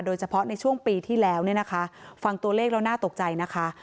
โดยเฉพาะในช่วงปีที่แล้วเนี่ยนะคะฟังตัวเลขแล้วน่าตกใจนะคะ